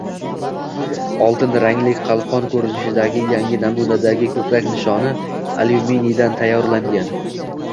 Oltin rangli qalqon ko‘rinishidagi yangi namunadagi ko‘krak nishoni alyuminiydan tayyorlangan